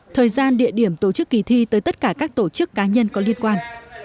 thời gian địa điểm tổ chức kỳ thi tới tất cả các tổ chức cá nhân có liên quan